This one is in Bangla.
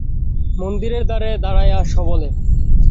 মন্দিরের দ্বারে দাড়াইয়া সবলে।